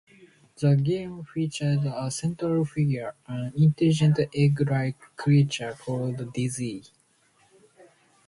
The games featured a central figure: an intelligent egg-like creature called Dizzy.